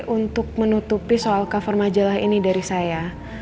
untuk menutupi soal cover majalah ini dari saya